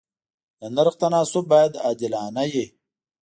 د نرخ تناسب باید عادلانه وي.